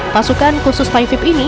pasukan khusus taifib ini